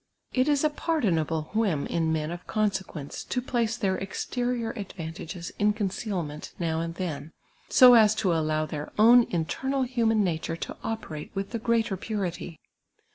It is a pardonable whim in men of consequence, to place their exterior advantages in concealment now and then, so as to allow their own internal human nature to operate with the greater purity.